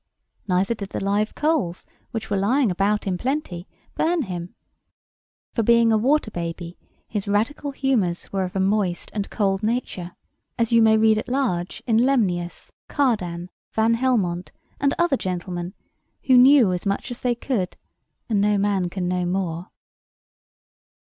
Neither did the live coals, which were lying about in plenty, burn him; for, being a water baby, his radical humours were of a moist and cold nature, as you may read at large in Lemnius, Cardan, Van Helmont, and other gentlemen, who knew as much as they could, and no man can know more.